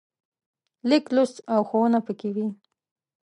لیک لوست او ښوونه پکې وي.